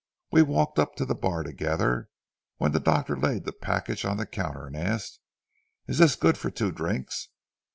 We walked up to the bar together, when the doctor laid the package on the counter and asked: 'Is this good for two drinks?'